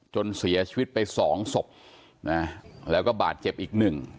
จนเสียชีวิตไปสองศพนะแล้วก็บาดเจ็บอีกหนึ่ง